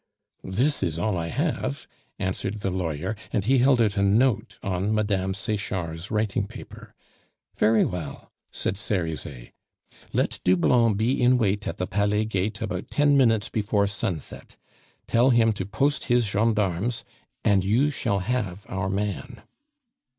"This is all that I have," answered the lawyer, and he held out a note on Mme. Sechard's writing paper. "Very well," said Cerizet, "let Doublon be in wait at the Palet Gate about ten minutes before sunset; tell him to post his gendarmes, and you shall have our man."